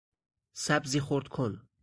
سبزی خرد کن